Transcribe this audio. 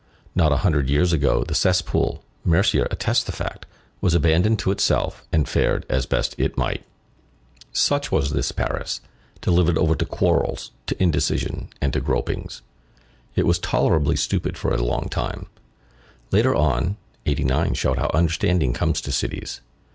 Not a hundred years ago, the cesspool, Mercier attests the fact, was abandoned to itself, and fared as best it might. Such was this ancient Paris, delivered over to quarrels, to indecision, and to gropings. It was tolerably stupid for a long time. Later on, '89 showed how understanding comes to cities.